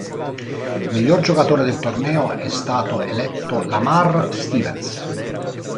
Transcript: Miglior giocatore del torneo è stato eletto Lamar Stevens.